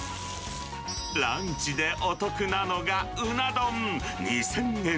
ランチでお得なのがうな丼２０００円。